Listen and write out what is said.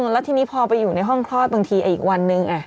แล้วทีนี้พอไปอยู่ในห้องคลอดบางทีอีกวันนึง